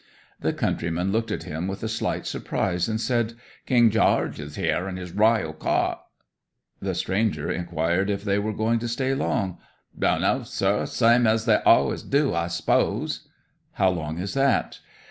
'The countryman looked at him with a slight surprise, and said, "King Jarge is here and his royal Cwort." 'The stranger inquired if they were going to stay long. '"Don't know, Sir. Same as they always do, I suppose." '"How long is that?"